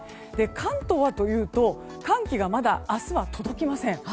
関東はというと寒気がまだ明日は届きません。